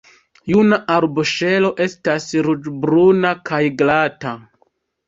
Juna arboŝelo estas ruĝ-bruna kaj glata.